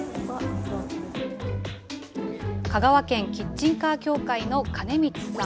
香川県キッチンカー協会の金光さん。